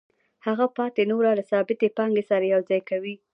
هغه پاتې نوره له ثابتې پانګې سره یوځای کوي